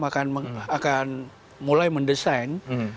maka akan mulai mendesain